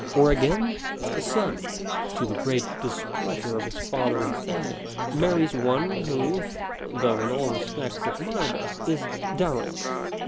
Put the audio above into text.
Or again, a son, to the great displeasure of his father and family, marries one who, though in all respects admirable, is dowerless.